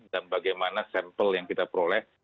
dan bagaimana sampel yang kita peroleh